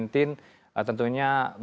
tentunya banyak sekali